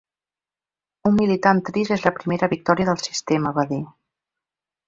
“Un militant trist és la primera victòria del sistema”, va dir.